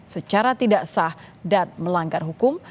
secara tidak sah dan melanggar hukum